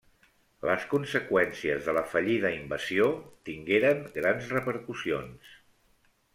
Les conseqüències de la fallida invasió tingueren grans repercussions.